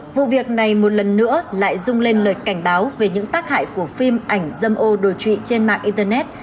vụ việc này một lần nữa lại rung lên lời cảnh báo về những tác hại của phim ảnh dâm ô đồi trụy trên mạng internet